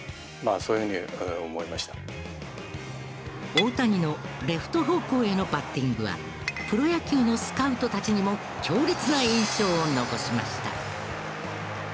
大谷のレフト方向へのバッティングはプロ野球のスカウトたちにも強烈な印象を残しました。